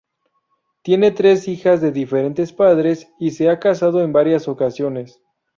Tiene tres hijas de diferentes padres y se ha casado en varias ocasiones.